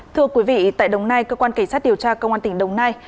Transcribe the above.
thưa quý vị tại đồng nai cơ quan cảnh sát điều tra công an tỉnh đồng nai